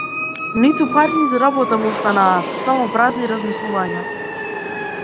Ниту пари ниту работа му остануваа само празни размислувања.